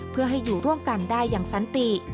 เพื่อให้อยู่ร่วมกันได้อย่างสันติ